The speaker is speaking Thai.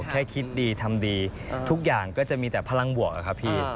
แค่คิดดีทำดีทุกอย่างก็จะมีแต่พลังบวกอะครับพี่